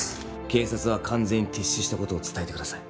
警察は完全に撤収したことを伝えてください